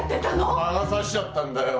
魔が差しちゃったんだよ。